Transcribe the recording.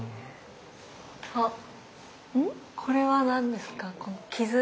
あこれは何ですか？傷？